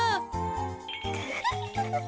フフフフフ。